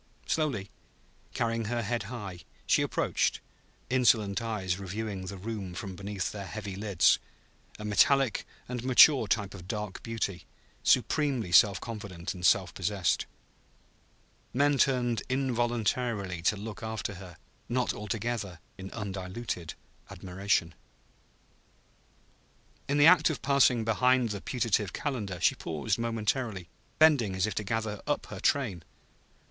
Slowly, carrying her head high, she approached, insolent eyes reviewing the room from beneath their heavy lids; a metallic and mature type of dark beauty, supremely self confident and self possessed. Men turned involuntarily to look after her, not altogether in undiluted admiration. In the act of passing behind the putative Calendar, she paused momentarily, bending as if to gather up her train.